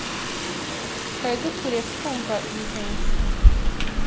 Twari dukwiye kukwumva, Jivency.